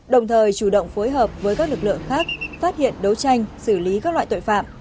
đồng thời chủ động phối hợp với các lực lượng khác phát hiện đấu tranh xử lý các loại tội phạm